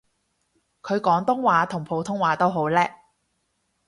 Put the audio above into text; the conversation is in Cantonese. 佢廣東話同普通話都好叻